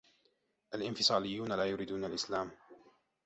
الإنفصاليون لا يريدون السلام.